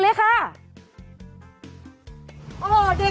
โอ้โหเด็กอยู่ในรถอ่ะขี่ยังไงอ่ะเมื่อกี้เนี่ย